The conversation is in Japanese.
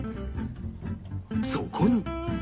そこに